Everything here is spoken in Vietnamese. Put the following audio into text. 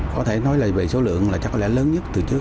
có thể nói là về số lượng là chắc là lớn nhất từ trước